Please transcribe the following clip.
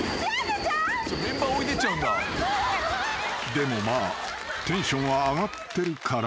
［でもまあテンションは上がってるから］